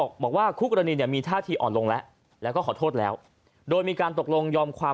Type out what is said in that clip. ดูนางขาวสุนาโวรีขอบว่า